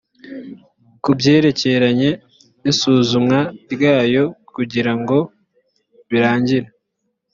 ku byerekeranye n’isuzumwa ryayo kugira ngo birangire